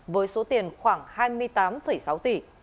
với số tiền khoảng hai mươi tám sáu tỷ